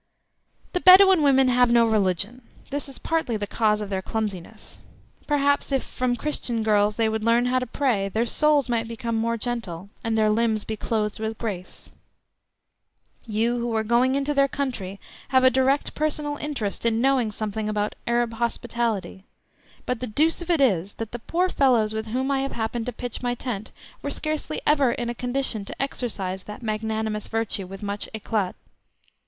The Bedouin women have no religion. This is partly the cause of their clumsiness. Perhaps if from Christian girls they would learn how to pray, their souls might become more gentle, and their limbs be clothed with grace. You who are going into their country have a direct personal interest in knowing something about "Arab hospitality"; but the deuce of it is, that the poor fellows with whom I have happened to pitch my tent were scarcely ever in a condition to exercise that magnanimous virtue with much éclat.